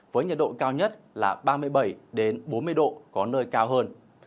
với nhiệt độ cao nhất là ba mươi bảy bốn mươi độ có nơi cao hơn